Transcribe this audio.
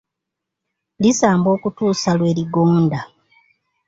Lisambwa okutuusa lwe ligonda.